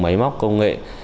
máy móc công nghệ